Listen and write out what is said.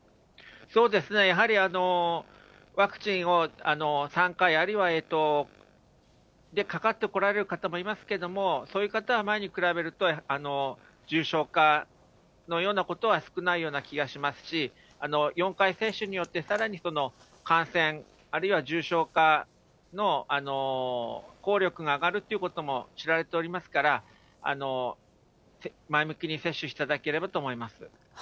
やはりワクチンを３回、あるいは、かかってこられる方もいますけども、そういう方は前に比べると重症化のようなことは少ないような気がしますし、４回接種によって、さらに感染あるいは重症化の効力が上がるということも知られておりますから、前向きに接種していただければと思います。